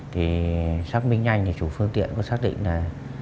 thì xác minh nhanh thì chủ phương tiện có xác định là